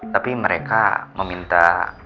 tapi mereka meminta